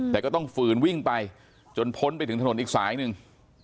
แต่ก็ต้องฝืนวิ่งไปจนพ้นไปถึงถนนอีกสายหนึ่ง